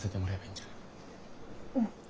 うん。